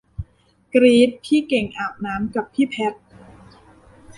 กรี๊ด พี่เก่งอาบน้ำกับพี่แพท